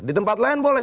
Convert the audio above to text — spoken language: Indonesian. di tempat lain boleh